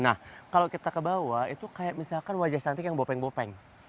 nah kalau kita ke bawah itu kayak misalkan wajah cantik yang bopeng bopeng